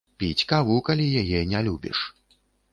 Піць каву, калі яе не любіш.